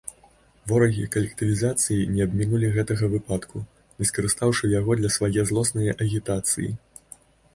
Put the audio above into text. Ворагі калектывізацыі не абмінулі гэтага выпадку, не скарыстаўшы яго для свае злоснае агітацыі.